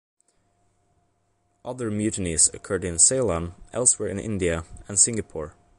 Other mutinies occurred in Ceylon, elsewhere in India and Singapore.